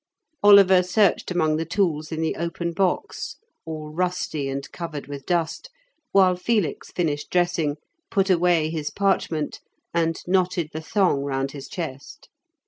Oliver searched among the tools in the open box, all rusty and covered with dust, while Felix finished dressing, put away his parchment, and knotted the thong round his chest.